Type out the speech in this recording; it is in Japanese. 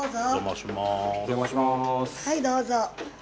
はいどうぞ。